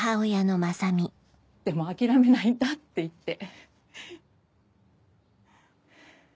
「でも諦めないんだ」って言って。